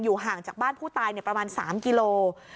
อยู่ห่างจากบ้านผู้ตายเนี่ยประมาณสามกิโลกรัม